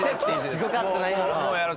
すごかったな今の。